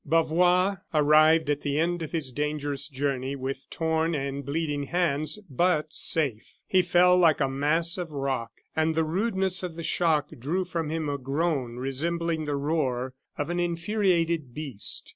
Bavois arrived at the end of his dangerous journey with torn and bleeding hands, but safe. He fell like a mass of rock; and the rudeness of the shock drew from him a groan resembling the roar of an infuriated beast.